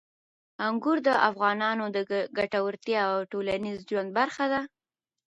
انګور د افغانانو د ګټورتیا او ټولنیز ژوند برخه ده.